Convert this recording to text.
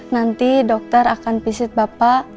nanti dokter akan visit bapak